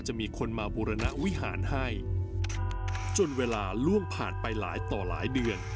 มีคนมาบูรณวิหารให้จนเวลาล่วงผ่านไปหลายต่อหลายเดือน